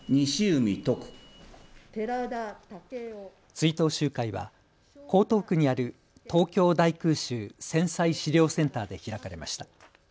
追悼集会は江東区にある東京大空襲・戦災資料センターで開かれました。